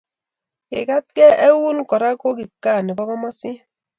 Kekatkeiak eunek Kora ko kipkaa nebo komosin